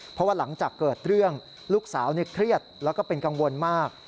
เพราะว่าหลังจากเกิดเรื่องลูกสาวเครียดแล้วก็เป็นกังวลมาก